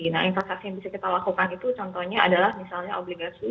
nah investasi yang bisa kita lakukan itu contohnya adalah misalnya obligasi